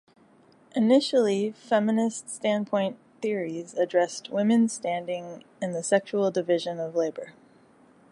Initially, feminist standpoint theories addressed women's standing in the sexual division of labor.